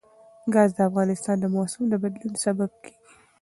ګاز د افغانستان د موسم د بدلون سبب کېږي.